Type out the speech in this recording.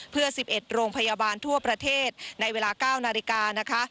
เพื่อ๑๑โรงพยาบาลทั่วประเทศในเวลา๙นาฬิกานะคะ